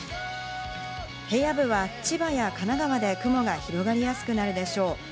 平野部は千葉や神奈川で雲が広がりやすくなるでしょう。